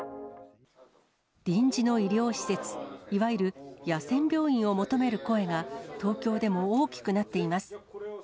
臨時の医療施設、いわゆる野戦病院を求める声が、東京でも大きくなっています。